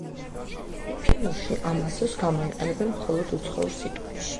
ფინურში ამ ასოს გამოიყენებენ მხოლოდ უცხოურ სიტყვებში.